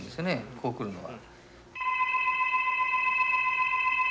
こう来るのは。